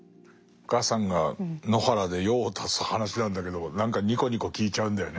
お母さんが野原で用を足す話なんだけど何かニコニコ聞いちゃうんだよね。